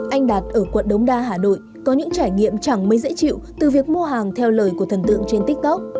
anh đạt ở quận đống đa hà nội có những trải nghiệm chẳng mấy dễ chịu từ việc mua hàng theo lời của thần tượng trên tiktok